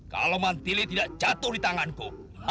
kalau mantele tidak jatuh di tanganku